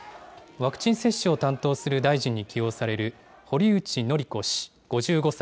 ワクチン接種を担当する大臣に起用される、堀内詔子氏５５歳。